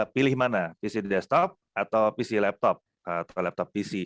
pilih mana pc desktop atau pc laptop